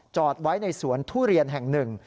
จอดไว้ในสวนทุเรียนแห่งหนึ่ง